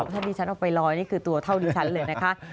ท่านที่ฉันออกไปลอยนี่คือตัวเท่านี้ฉันเลยนะคะ